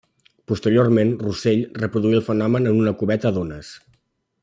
Posteriorment, Russell reproduí el fenomen en una cubeta d'ones.